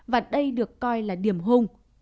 và đây được coi là điểm hung